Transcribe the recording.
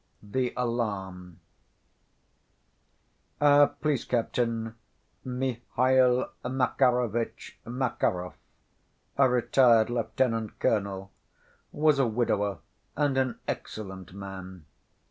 The Alarm Our police captain, Mihail Makarovitch Makarov, a retired lieutenant‐ colonel, was a widower and an excellent man.